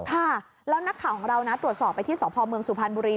ค่ะแล้วนักข่าวของเรานะตรวจสอบไปที่สพเมืองสุพรรณบุรี